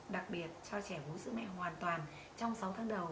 đặc biệt cho trẻ uống sữa mẹ hoàn toàn trong sáu tháng đầu